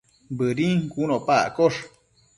Bëdin cun opa accosh